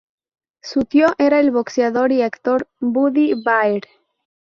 Su tío era el boxeador y actor Buddy Baer.